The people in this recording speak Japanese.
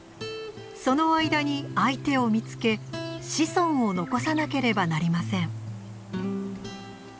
その間に相手を見つけ子孫を残さなければなりません。